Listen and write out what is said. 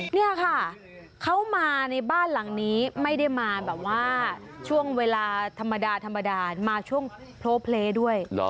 นี่ค่ะเขามาในบ้านหลังนี้ไม่ได้มาแบบว่าช่วงเวลาธรรมดาธรรมดามาช่วงโพลเพลย์ด้วย